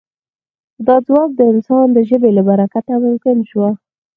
دا ځواک د انسان د ژبې له برکته ممکن شو.